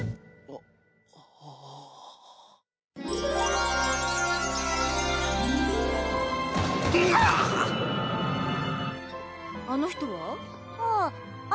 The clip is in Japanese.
あああの人は。